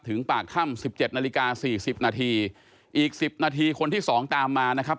ปากถ้ำสิบเจ็ดนาฬิกาสี่สิบนาทีอีกสิบนาทีคนที่สองตามมานะครับ